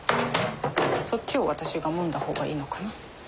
そっちを私がもんだ方がいいのかな？